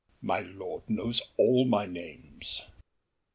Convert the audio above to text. My lord knows all my names.